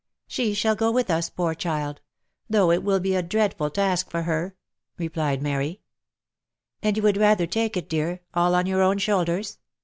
She shall go with us, poor child. Though it will be a dreadful task for her !" replied Mary. " And you would rather take it, dear, all on your own shoulders?